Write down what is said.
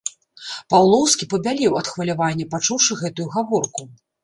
Паўлоўскі пабялеў ад хвалявання, пачуўшы гэтую гаворку.